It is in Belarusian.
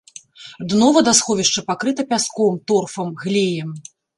Дно вадасховішча пакрыта пяском, торфам, глеем.